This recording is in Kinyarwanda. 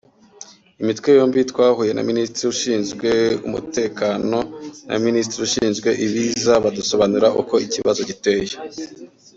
Imitwe yombi twahuye na Minisitiri ushinzwe umutekano na Minisitiri ushinzwe ibiza badusobanurira uko ikibazo giteye